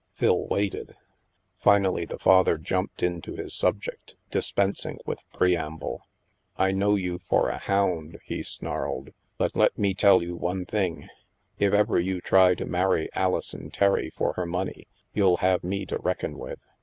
Phil waited. v. Finally the father jumped into his subject, dis pensing with preamble. " I know you for a hound," he snarled, " but let me tell you one thing! If ever you try to marry Alison Terry for her money, you'll have me to reckon with.